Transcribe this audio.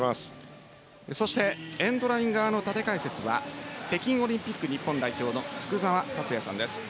そしてエンドライン側の縦解説は北京オリンピック日本代表の福澤達哉さんです。